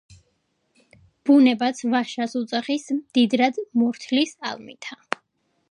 ბუნებაც "ვაშას" უძახის მდიდრად მორთლის ალმითა.